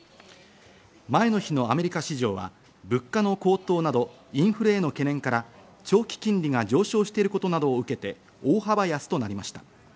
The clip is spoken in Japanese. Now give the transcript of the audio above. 前の日のアメリカ市場は、物価の高騰などインフレの懸念から長期金利が上昇していることなどを受けて大幅安となりました。